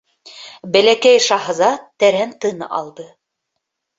Бәләкәй шаһзат тәрән тын алды.